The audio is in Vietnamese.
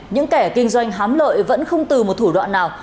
những kẻ kinh doanh hám lợi vẫn không từ một thủ đoạn nào